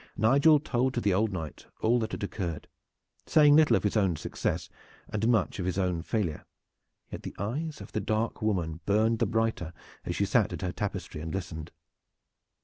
Nigel told to the old Knight all that had occurred, saying little of his own success and much of his own failure, yet the eyes of the dark woman burned the brighter as she sat at her tapestry and listened.